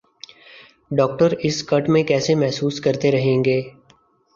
doctor اس kit میں کیسے محسوس کرتے رہیں گے